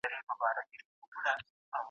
د خبرو کولو وار څنګه ټاکل کیږي؟